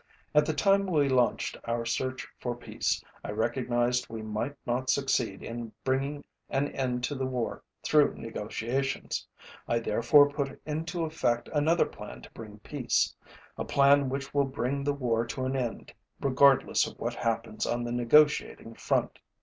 At the time we launched our search for peace, I recognized we might not succeed in bringing an end to the war through negotiations. I therefore put into effect another plan to bring peace a plan which will bring the war to an end regardless of what happens on the negotiating front.